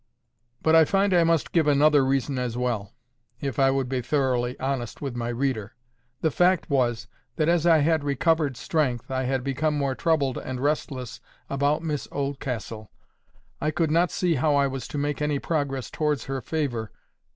But I find I must give another reason as well, if I would be thoroughly honest with my reader. The fact was, that as I had recovered strength, I had become more troubled and restless about Miss Oldcastle. I could not see how I was to make any progress towards her favour.